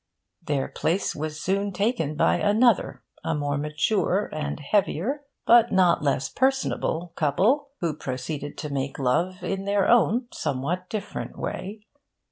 Their place was soon taken by another, a more mature, and heavier, but not less personable, couple, who proceeded to make love in their own somewhat different way.